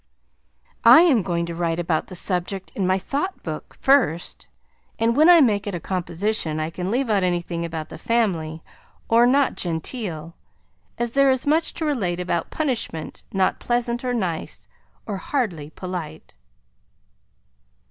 I am going to write about the subject in my Thought Book first, and when I make it into a composition, I can leave out anything about the family or not genteel, as there is much to relate about punishment not pleasant or nice and hardly polite.